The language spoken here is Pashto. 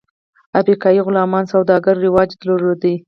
افریقا کې غلامانو سوداګري رواج درلود.